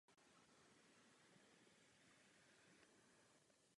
Letohrádek později sloužil pro potřeby divadelního souboru a také jako taneční sál.